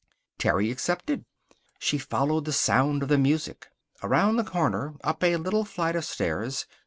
Terry accepted. She followed the sound of the music. Around the corner. Up a little flight of stairs.